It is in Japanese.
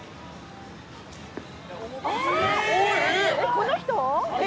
この人？え！